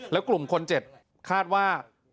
แล้วกลุ่มคนเจ็บคาดว่า